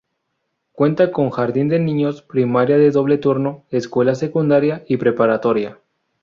Cuenta con jardín de niños, primaria de doble turno, escuela secundaria y preparatoria.